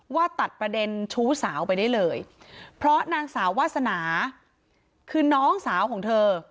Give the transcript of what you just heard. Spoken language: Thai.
ว่าตัดประเด็นชู้สาวไปได้เลยเพราะนางสาววาสนาคือน้องสาวของเธอ